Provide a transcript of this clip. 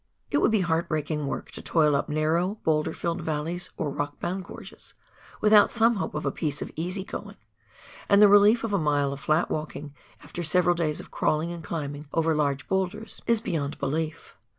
It would be heart breaking work to toil up narrow, boulder filled valleys or rock bound gorges, without some hope of a piece of easy going ; and the relief of a mile of flat walking, after several days of crawling and climbing over large boulders, is beyond belief.